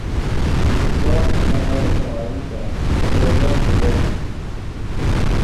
زو نے ڤئینے اوئیمتے نے کوئے گپ چے دیہے